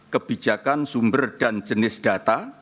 kebijakan sumber dan jenis data